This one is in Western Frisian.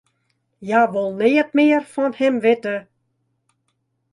Hja wol neat mear fan him witte.